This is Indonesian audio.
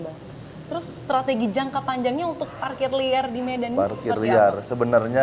bang terus strategi jangka panjangnya untuk parkir liar di medan ini seperti apa parkir liar sebenarnya